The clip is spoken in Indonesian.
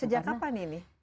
sejak kapan ini